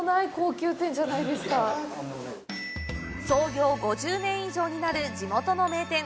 創業５０年以上になる地元の名店。